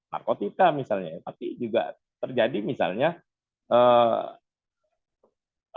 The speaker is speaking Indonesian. narkotika misalnya tapi juga terjadi misalnya eh